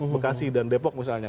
bekasi dan depok misalnya